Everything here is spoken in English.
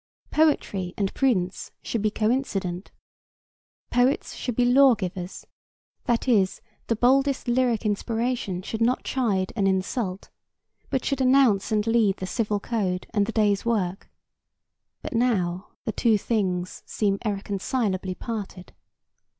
Poetry and prudence should be coincident. Poets should be lawgivers; that is, the boldest lyric inspiration should not chide and insult, but should announce and lead the civil code and the day's work. But now the two things seem irreconcilably parted.